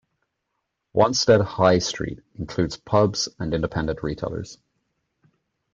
Wanstead High Street includes pubs and independent retailers.